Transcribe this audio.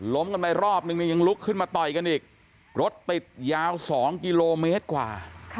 กันไปรอบนึงเนี่ยยังลุกขึ้นมาต่อยกันอีกรถติดยาว๒กิโลเมตรกว่า